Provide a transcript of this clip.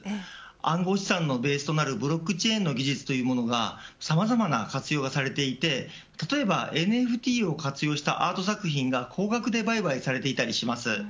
暗号資産のベースとなるブロックチェーンの技術はさまざまな活用がされていて例えばＮＦＴを活用したアート作品が高額で売買されたりしています。